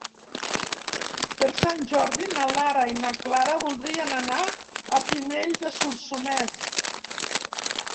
Per Sant Jordi na Lara i na Clara voldrien anar a Pinell de Solsonès.